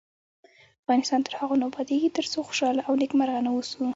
افغانستان تر هغو نه ابادیږي، ترڅو خوشحاله او نیکمرغه ونه اوسو.